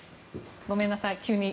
ごめんなさい、急に。